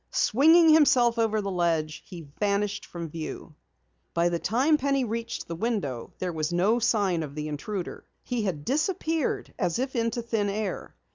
Swinging himself over the ledge, he vanished from view. By the time Penny reached the window there was no sign of the intruder. He had disappeared as if into thin air.